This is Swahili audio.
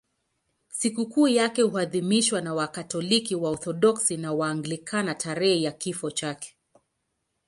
Sikukuu yake huadhimishwa na Wakatoliki, Waorthodoksi na Waanglikana tarehe ya kifo chake.